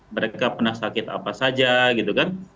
mereka pernah sakit apa saja gitu kan